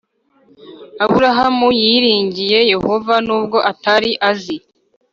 Aburahamu yiringiye yehova nubwo atari azi